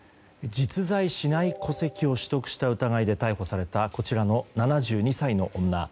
実在しない戸籍を取得した疑いで逮捕されたこちらの７２歳の女。